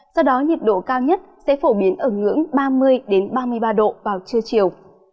do đó nhiệt độ cao nhất sẽ phổ biến ở ngưỡng ba mươi ba mươi ba độ vào trưa chiều